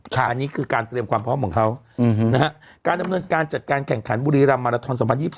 การเตรียมความพร้อมเหมือนเขาการจัดการแข่งขันบุรีรัมม์มาลาทนซ์๒๐๒๒